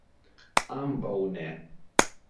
Ambaŭ ne.